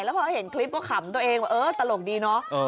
แล้วพอเห็นคลิปก็ขำตัวเองว่าเออตลกดีเนอะ